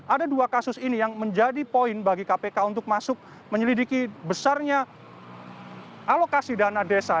ada dua kasus ini yang menjadi poin bagi kpk untuk masuk menyelidiki besarnya alokasi dana desa